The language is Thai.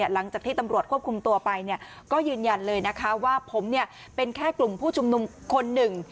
หลังจากที่ตำรวจควบคุมตัวไปก็ยืนยันเลยนะคะว่าผมเป็นแค่กลุ่มผู้ชุมนุมคนหนึ่ง